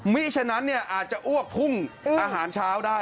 ฉะนั้นอาจจะอ้วกพุ่งอาหารเช้าได้